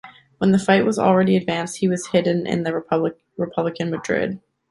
When the fight was already advanced, he was hidden in the republican Madrid.